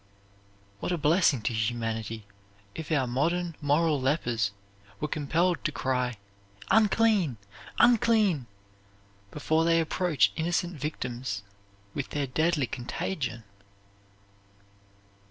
What a blessing to humanity if our modern moral lepers were compelled to cry, "Unclean, unclean," before they approach innocent victims with their deadly contagion!